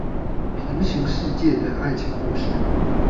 平行世界的愛情故事